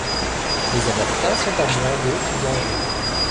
Les Américains sont à moins de d'Angers.